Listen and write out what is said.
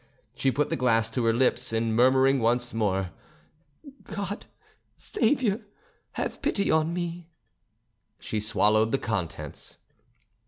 She put the glass to her lips, and murmuring once more, "God! Saviour! have pity on me!" she swallowed the contents.